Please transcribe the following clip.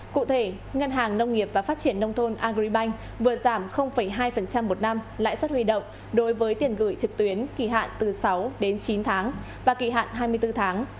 cụ thể ngân hàng nông nghiệp và phát triển nông thôn agribank vừa giảm hai một năm lãi suất huy động đối với tiền gửi trực tuyến kỳ hạn từ sáu đến chín tháng và kỳ hạn hai mươi bốn tháng